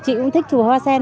chị cũng thích chụp hoa sen